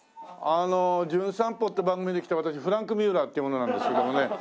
あの『じゅん散歩』って番組で来た私フランク・ミュラーっていう者なんですけどもね。